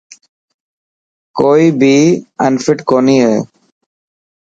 ڪوئي بي انفٽ ڪوني هي.